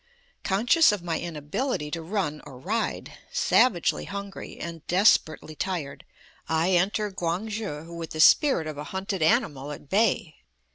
Conscious of my inability to run or ride, savagely hungry, and desperately tired, I enter Quang shi with the spirit of a hunted animal at bay.